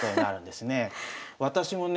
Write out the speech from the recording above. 私もね